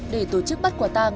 để tổ chức bắt quả tang